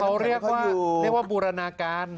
เขาเรียกว่าเรียกว่าบูรณาการ